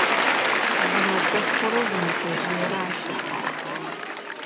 Зы мэтэшхорэ зы мэтэжъыерэ ащ ыхьыгъэх.